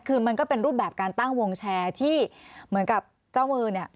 คือมันก็เป็นรูปแบบการตั้งวงแชร์ที่เหมือนกับเจ้ามือเนี่ย